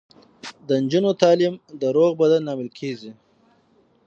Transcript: د نجونو تعلیم د روغ بدن لامل کیږي.